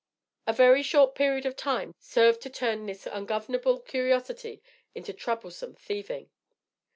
A very short period of time served to turn this ungovernable curiosity into troublesome thieving.